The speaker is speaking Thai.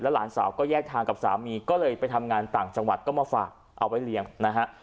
หลานสาวก็แยกทางกับสามีก็เลยไปทำงานต่างจังหวัดก็มาฝากเอาไว้เลี้ยงนะฮะ